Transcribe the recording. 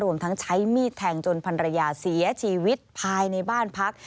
ทั้งใช้มีดแทงจนพันรยาเสียชีวิตภายในบ้านพัก